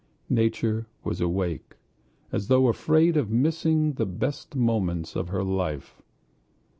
Nature was awake, as though afraid of missing the best moments of her life.